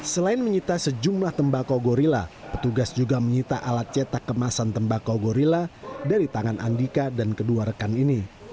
selain menyita sejumlah tembakau gorilla petugas juga menyita alat cetak kemasan tembakau gorilla dari tangan andika dan kedua rekan ini